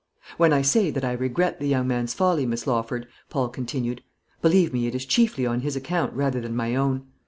"When I say that I regret the young man's folly, Miss Lawford," Paul continued, "believe me, it is chiefly on his account rather than my own.